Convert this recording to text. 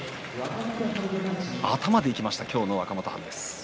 頭でいきました今日の若元春。